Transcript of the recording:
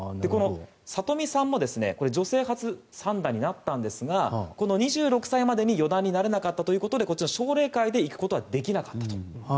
里見さんも女性初の三段になったんですがこの２６歳までに四段になれなかったということで奨励会でいくことはできなかったと。